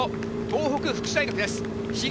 地元・東北福祉大学です。